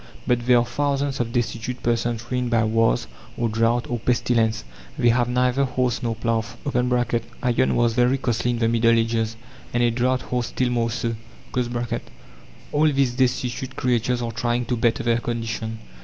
But there are thousands of destitute persons ruined by wars, or drought, or pestilence. They have neither horse nor plough. (Iron was very costly in the Middle Ages, and a draught horse still more so.) All these destitute creatures are trying to better their condition.